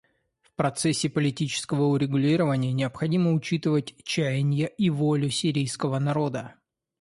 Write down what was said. В процессе политического урегулирования необходимо учитывать чаяния и волю сирийского народа.